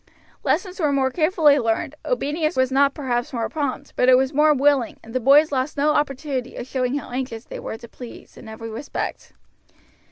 Lessons were more carefully learned, obedience was not perhaps more prompt, but it was more willing, and the boys lost no opportunity of showing how anxious they were to please in every respect.